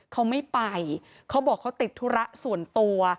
เขาไม่ไปเขาบอกเขาติดธุระส่วนตัว